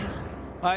はい。